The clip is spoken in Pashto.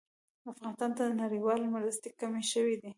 افغانستان ته نړيوالې مرستې کمې شوې دي